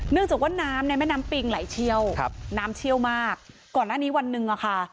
จากว่าน้ำในแม่น้ำปิงไหลเชี่ยวน้ำเชี่ยวมากก่อนหน้านี้วันหนึ่งอะค่ะ